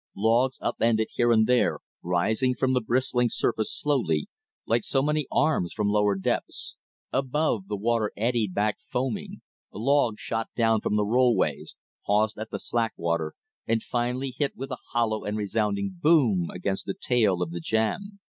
Logs up ended here and there, rising from the bristling surface slowly, like so many arms from lower depths. Above, the water eddied back foaming; logs shot down from the rollways, paused at the slackwater, and finally hit with a hollow and resounding BOOM! against the tail of the jam.